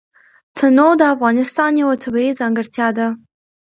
تنوع د افغانستان یوه طبیعي ځانګړتیا ده.